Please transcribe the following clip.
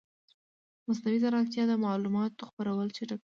مصنوعي ځیرکتیا د معلوماتو خپرول چټکوي.